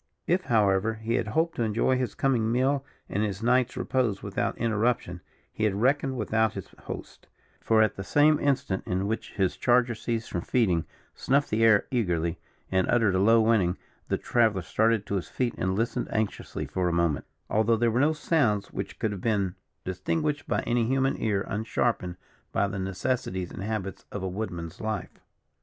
If, however, he had hoped to enjoy his coming meal and his night's repose without interruption, he had reckoned without his host; for, at the same instant in which his charger ceased from feeding, snuffed the air eagerly, and uttered a low whining; the traveller started to his feet and listened anxiously for a moment, although there were so sounds which could have been distinguished by any human ear unsharpened by the necessities and habits of a woodman's life.